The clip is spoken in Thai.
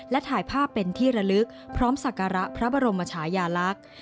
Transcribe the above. และถ่ายภาพเป็นที่ระลึกพร้อมศักระพระบรมชายาลักษณ์